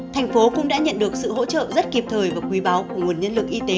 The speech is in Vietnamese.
thành phố cũng đã nhận được sự hỗ trợ rất kịp thời và quý báo của nguồn nhân lực y tế